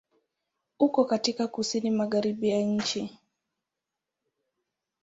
Uko katika Kusini Magharibi ya nchi.